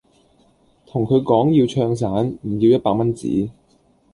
同佢講要唱散，唔要一百蚊紙